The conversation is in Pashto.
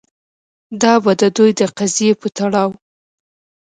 دا به د دوی د قضیې په تړاو